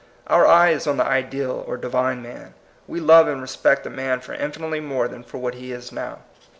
Our eye is on the ideal or divine man. We love and respect a man for infinitely more than for what he is now.